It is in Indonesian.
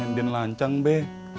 bukannya den lancang be